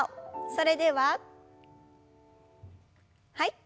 それでははい。